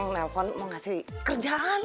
nelfon mau ngasih kerjaan